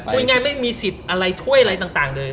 พูดง่ายไม่มีสิทธิ์อะไรถ้วยอะไรต่างเลย